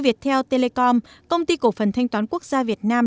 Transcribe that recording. viettel telecom công ty cổ phần thanh toán quốc gia việt nam